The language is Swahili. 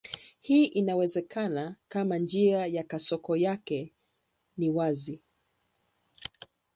Hii inawezekana kama njia ya kasoko yake ni wazi.